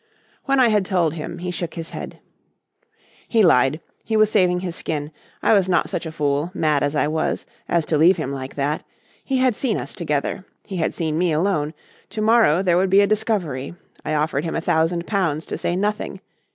When I had told him, he shook his head. "He lied. He was saving his skin. I was not such a fool, mad as I was, as to leave him like that. He had seen us together. He had seen me alone. To morrow there would be discovery. I offered him a thousand pounds to say nothing.